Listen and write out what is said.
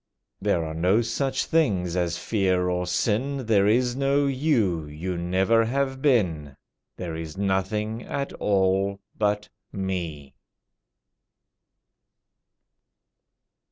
There are no such things as fear or sin, There is no you—you never have been— There is nothing at all but Me."